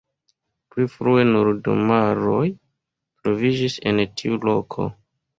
Pli frue nur domaroj troviĝis en tiu loko.